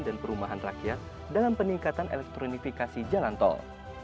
dan perumahan rakyat dalam peningkatan elektronifikasi jalan tol